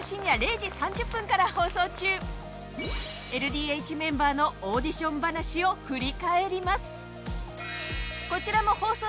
ＬＤＨメンバーのオーディション話を振り返ります。